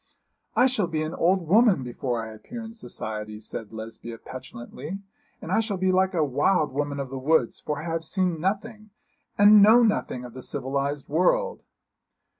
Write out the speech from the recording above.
'I shall be an old woman before I appear in society,' said Lesbia, petulantly; 'and I shall be like a wild woman of the woods; for I have seen nothing, and know nothing of the civilised world.'